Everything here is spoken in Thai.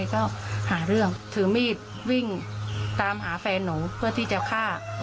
ก็หาเรื่องถือมีดวิ่งตามหาแฟนหนูเพื่อที่จะฆ่า